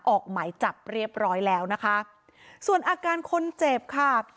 ออกหมายจับเรียบร้อยแล้วนะคะส่วนอาการคนเจ็บค่ะ